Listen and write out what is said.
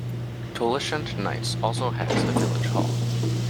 Tolleshunt Knights also has a village hall.